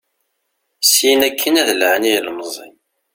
Syin akkin ad laɛin i yilemẓi.